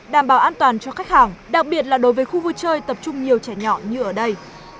đảm bảo an toàn cho khách hàng đặc biệt là đối với khu vui chơi tập trung nhiều trẻ nhỏ như ở đây